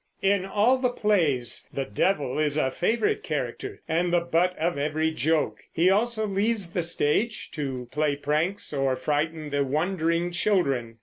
In all the plays the devil is a favorite character and the butt of every joke. He also leaves the stage to play pranks or frighten the wondering children.